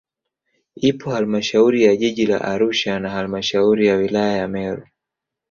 Ipo halmashauri ya jiji la Arusha na halmashauri ya wilaya ya Meru